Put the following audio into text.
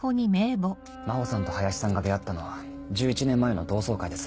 真帆さんと林さんが出会ったのは１１年前の同窓会です。